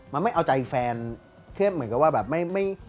มันไม่เอาใจแฟนที่เหมือนกับว่าแบบไม่